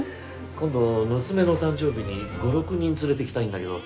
今度娘の誕生日に５６人連れてきたいんだけど。